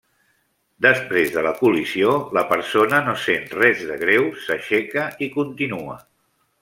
Després de la col·lisió la persona no sent res de greu, s'aixeca i continua.